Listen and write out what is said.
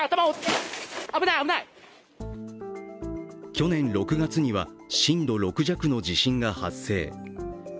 去年６月には震度６弱の地震が発生。